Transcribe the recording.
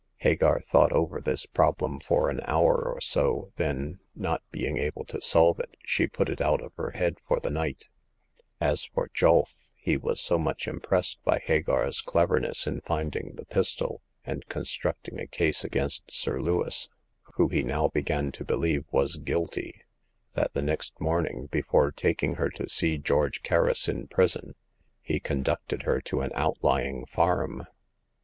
Hagar thought over this problem for an hour or so, then, not being able to solve it, she put it out of her head for the night. As for Julf, he was so much impressed by Hagar's cleverness in finding the pistol and constructing a case against Sir Lewis — who he now began to believe was guilty— that the next morning, before taking her to see George Kerris in prison, he conducted her to an outlying farm.